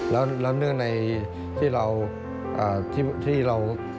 แล้วเนื่องในที่เรา